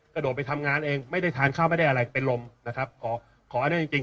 กระโดดไปทำงานเองไม่ได้ทานข้าวไม่ได้อะไรเป็นลมนะครับขอขออันเนี้ยจริงจริง